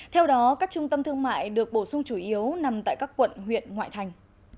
theo đó các trung tâm thương mại được bổ sung chủ yếu nằm tại các quận huyện ngoại thành